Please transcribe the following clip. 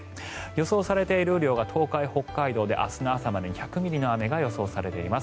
予想されている雨量が東海、北海道で明日の朝までに１００ミリの雨が予想されています。